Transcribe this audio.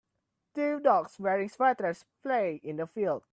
Two dogs wearing sweaters play in a field.